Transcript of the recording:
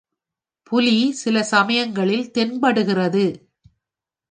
புலி சில சமயங்களில் தென்படுகிறது.